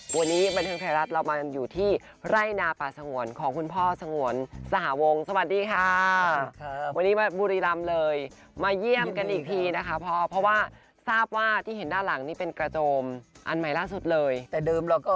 วันนี้บรรเทิงไทยรัฐเรามาอยู่ที่ไร่นาป่าสงวนของคุณพ่อสงวนสหวงสวัสดีค่ะครับวันนี้มาบุรีรำเลยมาเยี่ยมกันอีกทีนะคะพ่อเพราะว่าทราบว่าที่เห็นด้านหลังนี่เป็นกระโจมอันใหม่ล่าสุดเลยแต่เดิมแล้วก็